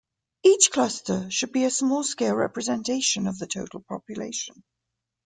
Each cluster should be a small-scale representation of the total population.